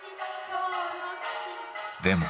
でも。